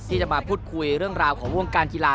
ที่จะมาพูดคุยเรื่องราวของวงการกีฬา